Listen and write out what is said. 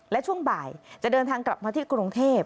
และช่วงบ่ายจะเดินทางกลับมาที่กรุงเทพ